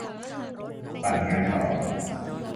ปั่นงานต่อ